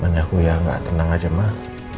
makanya aku ya enggak tenang aja mah